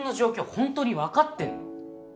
ほんとに分かってんの？